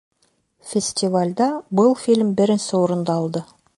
Фестивалдә был фильм беренсе урынды алды